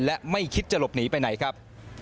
และไม่คิดจะหลบหนีไปไหนครับ